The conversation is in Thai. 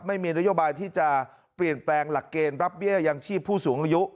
ไม่มีนโยบายที่จะเปลี่ยนแปลงหลักเกณฑ์รับเบี้ยยังชีพผู้สูงอายุ